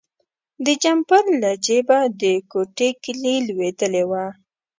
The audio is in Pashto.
د جمپر له جیبه د کوټې کیلي لویدلې وه.